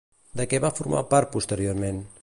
De què va formar part posteriorment?